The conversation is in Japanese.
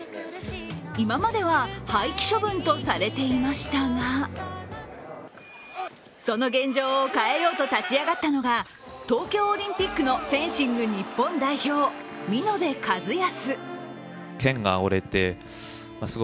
今までは廃棄処分とされていましたがその現状を変えようと立ち上がったのが東京オリンピックのフェンシング日本代表・見延和靖。